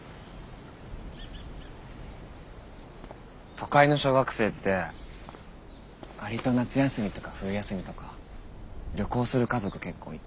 都会の小学生って割と夏休みとか冬休みとか旅行する家族結構いて。